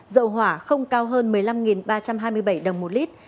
dầu hỏa không cao hơn một mươi năm ba trăm hai mươi bảy đồng một lít